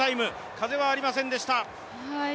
風はありませんでした。